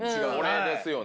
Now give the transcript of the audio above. これですよね。